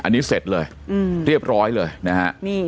อันนี้เสร็จเลยเรียบร้อยเลยนะฮะ